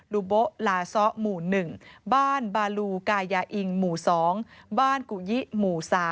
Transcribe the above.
ูโบลาซ้อหมู่๑บ้านบาลูกายาอิงหมู่๒บ้านกุยิหมู่๓